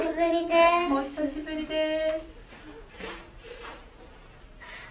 お久しぶりです。